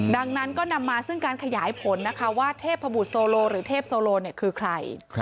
ดังนั้นก็นำมาซึ่งการขยายผลนะคะว่าเทพบุตรโซโลหรือเทพโซโลคือใคร